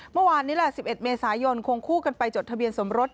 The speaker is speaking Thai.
เมื่อวานนี้แหละ๑๑เมษายนควงคู่กันไปจดทะเบียนสมรส